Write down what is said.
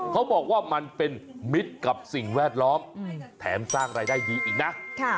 เขาบอกว่ามันเป็นมิตรกับสิ่งแวดล้อมแถมสร้างรายได้ดีอีกนะ